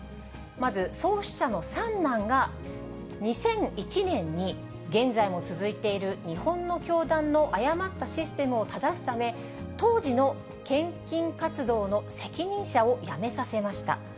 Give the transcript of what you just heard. まず、創始者の三男が２００１年に、現在も続いている日本の教団の誤ったシステムを正すため、当時の献金活動の責任者を辞めさせました。